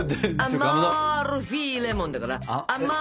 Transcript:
アマルフィレモンだから。